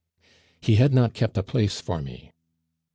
"He had not kept a place for me."